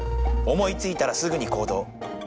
思いついたらすぐにこうどう。